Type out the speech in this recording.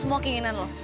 semua keinginan lo